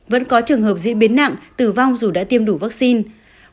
vẫn có trường hợp diễn biến nặng tử vong dù đã tiêm đủ vaccine